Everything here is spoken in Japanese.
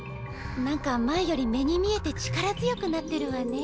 なんか前より目に見えて力強くなってるわね。